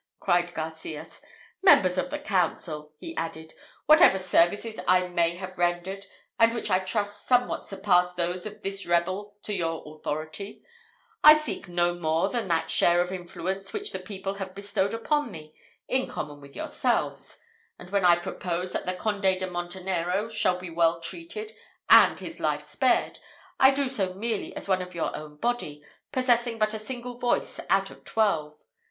cried Garcias. "Members of the council," he added, "whatever services I may have rendered, and which I trust somewhat surpass those of this rebel to your authority, I seek no more than that share of influence which the people have bestowed upon me, in common with yourselves; and when I propose that the Conde de Montenero shall be well treated and his life spared, I do so merely as one of your own body, possessing but a single voice out of twelve.